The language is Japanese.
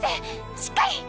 しっかり！